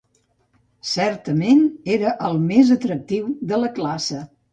Certament, era el més atractiu de la classe.